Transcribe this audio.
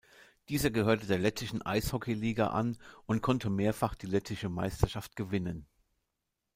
Dieser gehörte der lettischen Eishockeyliga an und konnte mehrfach die lettische Meisterschaft gewinnen.